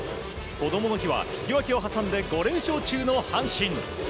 こどもの日は引き分けを挟んで５連勝中の阪神。